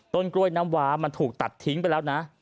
กล้วยน้ำวามันถูกตัดทิ้งไปแล้วนะ